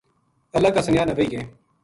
اللہ کا سنیاہ نا وحی کہیں۔